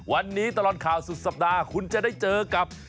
วันนี้ตลอดข่าวสุดสัปดาห์คุณจะได้เจอกับ